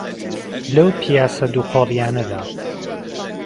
لەو پیاسە دووقۆڵییانەدا،